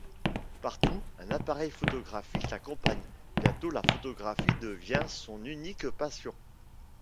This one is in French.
Partout, un appareil photographique l’accompagne, bientôt la photographie devient son unique passion.